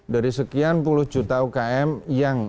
dari sekian puluh juta ukm yang